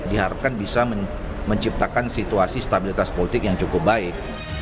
diharapkan bisa menciptakan situasi stabilitas politik yang cukup baik